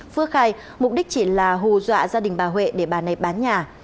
phước khai mục đích chỉ là hù dọa gia đình bà huệ để bà này bán nhà